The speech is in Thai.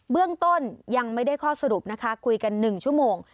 เรื่องต้นยังไม่ได้ข้อสรุปนะคะคุยกัน๑ชั่วโมง